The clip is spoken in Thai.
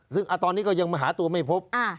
ซึ่งตอนนี้ก็ยังมาหาตัวไม่พบ